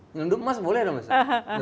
nyelundup emas boleh dong